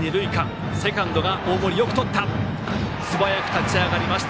大森素早く立ち上がりました。